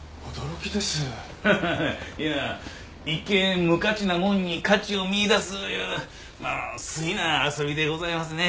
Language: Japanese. ハハハいや一見無価値なものに価値を見いだすいう粋な遊びでございますね。